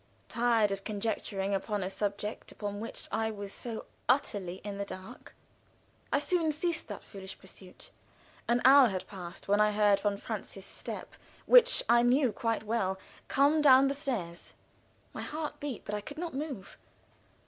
Tired of conjecturing upon a subject upon which I was so utterly in the dark, I soon ceased that foolish pursuit. An hour had passed, when I heard von Francius' step, which I knew quite well, come down the stairs. My heart beat, but I could not move.